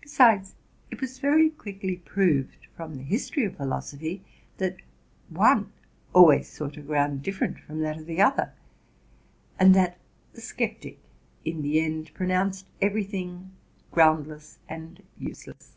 Besides, it was very quickly proved, from the history of philosophy, that one always sought a ground different from that of the other, and that the sceptic, in the end, pronounced every thing groundless and useless.